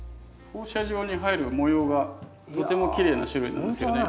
放射状に入る模様がとてもきれいな種類なんですよね。